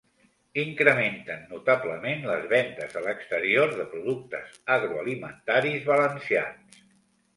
Incrementen notablement les vendes a l'exterior de productes agroalimentaris valencians